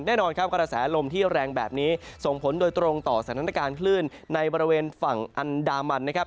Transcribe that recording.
แน่นอนครับกระแสลมที่แรงแบบนี้ส่งผลโดยตรงต่อสถานการณ์คลื่นในบริเวณฝั่งอันดามันนะครับ